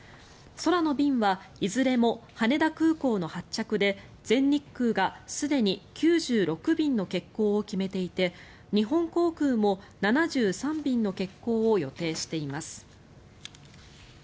空の便はいずれも羽田空港の発着で全日空がすでに９６便の欠航を決めていて日本航空も７３便の欠航を予定しています。